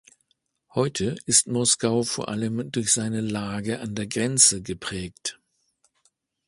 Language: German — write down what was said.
Heute ist Moskau vor allem durch seine Lage an der Grenze geprägt.